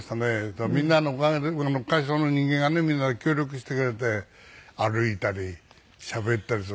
だからみんなのおかげで会社の人間がねみんな協力してくれて歩いたりしゃべったりする。